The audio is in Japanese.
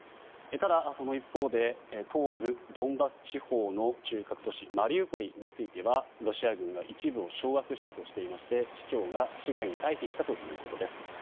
ただ、一方で東部ドンバス地方の中核都市マリウポリについてはロシア軍が一部を掌握したとしていまして市長が市外に退避したということです。